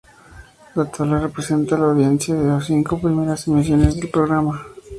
La tabla representa la audiencia de las cinco primeras emisiones del programa.